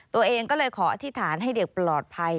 ตัวเองก็เลยขออธิษฐานให้เด็กปลอดภัย